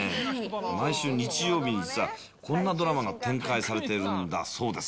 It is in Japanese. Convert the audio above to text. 毎週日曜日に、実はこんなドラマが展開されるんだそうです。